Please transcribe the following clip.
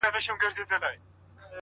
نن بيا د هغې نامه په جار نارې وهلې چي.